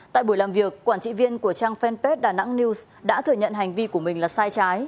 tại buổi làm việc quản trị viên của trang fanpage đà nẵng news đã thừa nhận hành vi của mình là sai trái